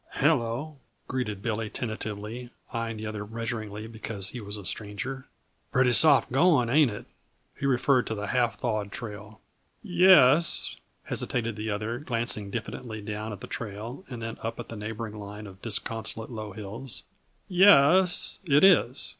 "Hello," greeted Billy tentatively, eying the other measuringly because he was a stranger. "Pretty soft going, ain't it?" He referred to the half thawed trail. "Ye es," hesitated the other, glancing diffidently down at the trail and then up at the neighboring line of disconsolate, low hills. "Ye es, it is."